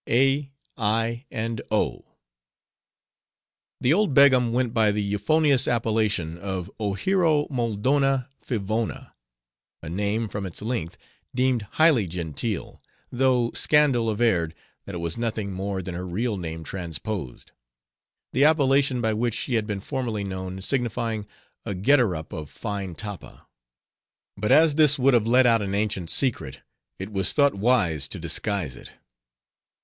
A, I, AND O The old Begum went by the euphonious appellation of Ohiro Moldona Fivona; a name, from its length, deemed highly genteel; though scandal averred, that it was nothing more than her real name transposed; the appellation by which she had been formerly known, signifying a "Getterup of Fine Tappa." But as this would have let out an ancient secret, it was thought wise to disguise it.